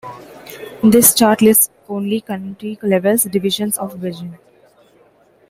This chart lists only county-level divisions of Beijing.